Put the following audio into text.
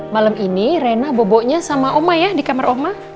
malam ini rena bobonya sama oma ya di kamar oma